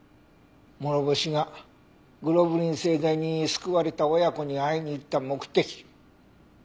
諸星がグロブリン製剤に救われた親子に会いに行った目的。